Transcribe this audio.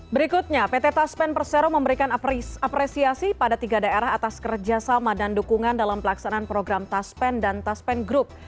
berikutnya pt taspen persero memberikan apresiasi pada tiga daerah atas kerjasama dan dukungan dalam pelaksanaan program taspen dan taspen group